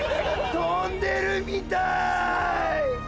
飛んでるみたい！